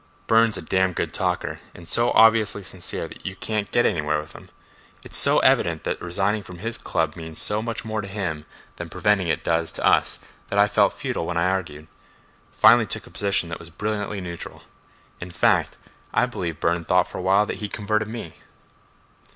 Burne's a damn good talker, and so obviously sincere that you can't get anywhere with him. It's so evident that resigning from his club means so much more to him than preventing it does to us that I felt futile when I argued; finally took a position that was brilliantly neutral. In fact, I believe Burne thought for a while that he'd converted me."